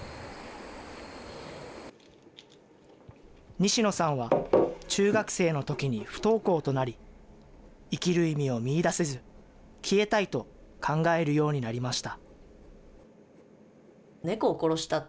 西野さんは、中学生のときに不登校となり、生きる意味を見いだせずに、消えたいと、考えるようになりました。